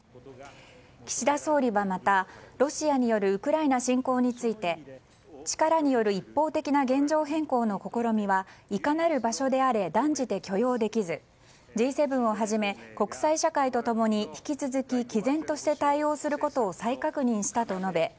岸田総理はまたロシアによるウクライナ侵攻について力による一方的な現状変更の試みはいかなる場所であれ断じて許容できずＧ７をはじめ、国際社会と共に引き続き毅然とした対応をすることを再確認したと述べ